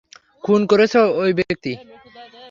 খুন করেছে ওই ব্যক্তি।